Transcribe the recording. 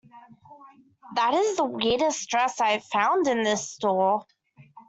That is the weirdest dress I have found in this store.